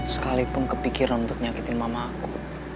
sekalipun kepikiran untuk nyakitin mama aku